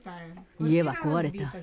家は壊れた。